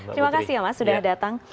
terima kasih ya mas sudah datang